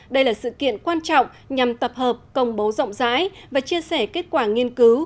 đây là sự kiện quan trọng nhằm tập hợp công bố rộng rãi và chia sẻ kết quả nghiên cứu